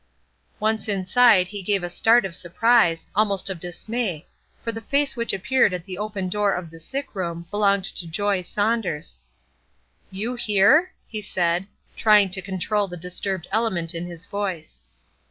Once inside he gave a start of surprise, almost of dismay, for the face which appeared at the open door of the sick room belonged to Joy Saunders. "You here?" he said, trying to control the disturbed element in his voice.